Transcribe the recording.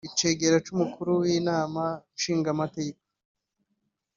icegera c'umukuru w'inama nshingamateka